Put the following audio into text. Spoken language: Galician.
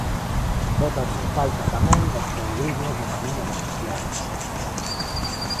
Bótanse en falta tamén os peregrinos no Camiño de Santiago.